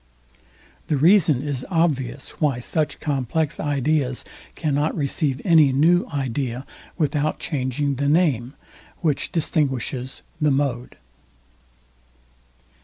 The reason is obvious, why such complex ideas cannot receive any new idea, without changing the name, which distinguishes the mode.